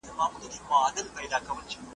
دا دوران دي مور هم دی تېر کړی لېونۍ .